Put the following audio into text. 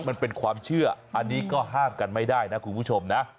มันเป็นความเชื่ออันนี้ก็ห้ามกันไม่ได้นะคุณผู้ชมนะ